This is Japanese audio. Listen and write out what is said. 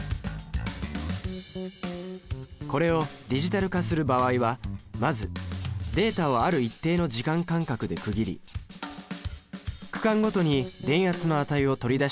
これをディジタル化する場合はまずデータをある一定の時間間隔で区切り区間ごとに電圧の値を取り出していきます。